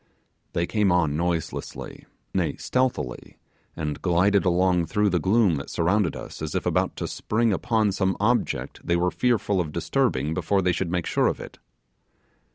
They came on noiselessly, nay stealthily, and glided along through the gloom that surrounded us as if about to spring upon some object they were fearful of disturbing before they should make sure of it.